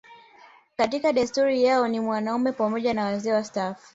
Katika desturi yao ni wanaume pamoja na wazee wastaafu